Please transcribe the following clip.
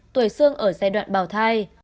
tuổi xương ở giai đoạn bào thai